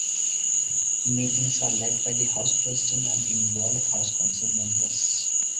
Meetings are led by the House President and involve House Council members.